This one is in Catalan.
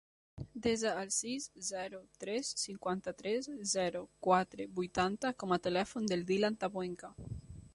Desa el sis, zero, tres, cinquanta-tres, zero, quatre, vuitanta com a telèfon del Dylan Tabuenca.